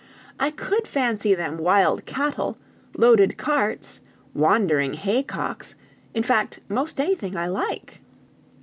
I could fancy them wild cattle, loaded carts, wandering haycocks, in fact most anything I like."